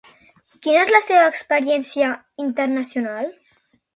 Quina és la seva experiència internacional?